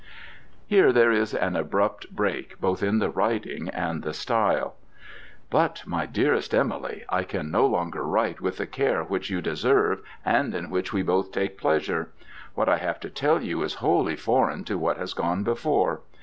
Here there is an abrupt break both in the writing and the style. "But my dearest Emily, I can no longer write with the care which you deserve, and in which we both take pleasure. What I have to tell you is wholly foreign to what has gone before.